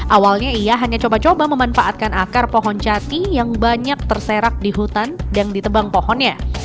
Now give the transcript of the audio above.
awalnya ia hanya coba coba memanfaatkan akar pohon jati yang banyak terserak di hutan dan ditebang pohonnya